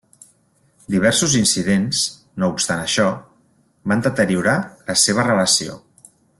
Diversos incidents, no obstant això, van deteriorar la seva relació.